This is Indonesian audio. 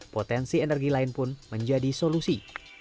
potensi energi lain pun menjadi solusi